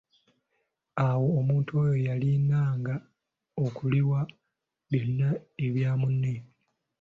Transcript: Awo omuntu oyo yalinanga okuliwa byonna ebya munne.